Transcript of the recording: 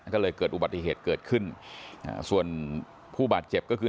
ก็เลยเกิดอุบัติเหตุเกิดขึ้นส่วนผู้บาดเจ็บก็คือ